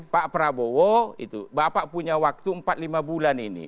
pak prabowo itu bapak punya waktu empat lima bulan ini